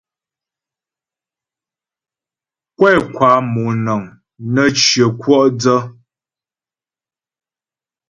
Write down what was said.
Kwɛ kwa moŋəŋ nə́ shyə kwɔ' dsə.